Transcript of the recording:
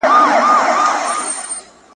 د حل لارې لټول زده کړئ.